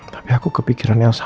tapi aku kepikiran elsa